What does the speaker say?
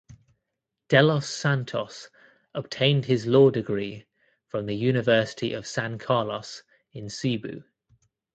Delos Santos obtained his law degree from the University of San Carlos in Cebu.